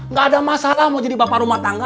nggak ada masalah mau jadi bapak rumah tangga